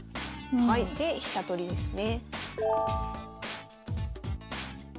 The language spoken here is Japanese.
で飛車取りですね。